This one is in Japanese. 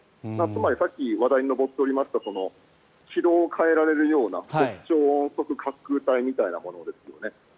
つまりさっき話題に上っておりました軌道を変えられるような超音速滑空体みたいなものですよね。